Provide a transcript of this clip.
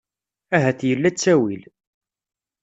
Ahat yella ttawil.